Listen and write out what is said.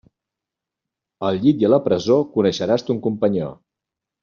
Al llit i a la presó coneixeràs ton companyó.